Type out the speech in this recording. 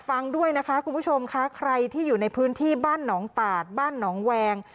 ฟังด้วยนะคะคุณผู้ชมค่ะใครที่อยู่ในพื้นที่บ้านหนองตาดบ้านหนองแวง